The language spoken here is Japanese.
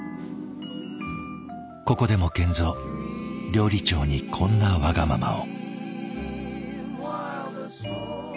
ここでも賢三料理長にこんなわがままを。